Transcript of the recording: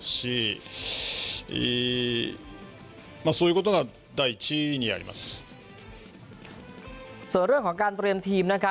ส่วนเรื่องของการเตรียมทีมนะคะ